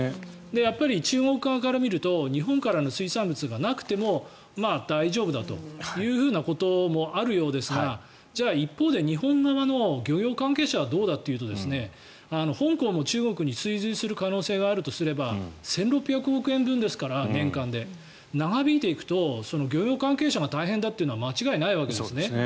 やっぱり中国側から見ると日本からの水産物がなくても大丈夫だということもあるようですがじゃあ、一方で日本側の漁業関係者はどうだというと香港も中国に追随する可能性があるとすれば年間で１６００億円分ですから長引いていくと漁業関係者が大変だというのは間違いないわけですね。